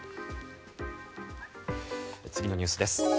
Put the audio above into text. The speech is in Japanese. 次のニュースです。